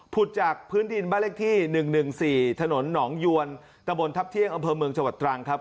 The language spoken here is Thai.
จากพื้นดินบ้านเลขที่๑๑๔ถนนหนองยวนตะบนทัพเที่ยงอำเภอเมืองจังหวัดตรังครับ